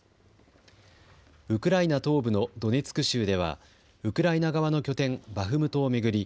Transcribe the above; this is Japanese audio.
ウクライナ東部のドネツク州ではウクライナ側の拠点、バフムトを巡り